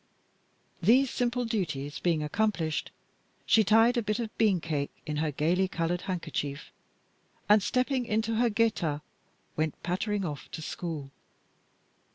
These simple duties being accomplished, she tied a bit of bean cake in her gaily colored handkerchief, and stepping into her geta, went pattering off to school.